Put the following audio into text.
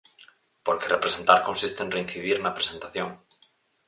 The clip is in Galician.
Porque representar consiste en reincidir na presentación.